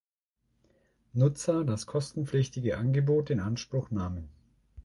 Nutzer das kostenpflichtige Angebot in Anspruch nahmen.